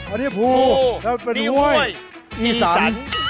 อันนี้ภูแล้วเป็นห้วยอี่สัน